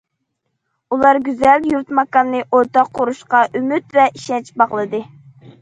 ئۇلار گۈزەل يۇرت- ماكاننى ئورتاق قۇرۇشقا ئۈمىد ۋە ئىشەنچ باغلىدى.